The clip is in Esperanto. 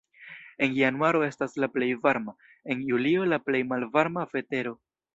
En januaro estas la plej varma, en julio la plej malvarma vetero.